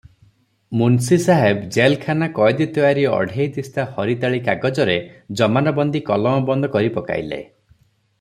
ମୁନସି ସାହେବ ଜେଲକାନା କଏଦୀ ତୟାରି ଅଢ଼େଇ ଦିସ୍ତା ହରିତାଳି କାଗଜରେ ଜମାନବନ୍ଦି କଲମବନ୍ଦ କରି ପକାଇଲେ ।